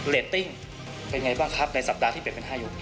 เรตติ้งเป็นไงบ้างครับในสัปดาห์ที่เป็น๕ยก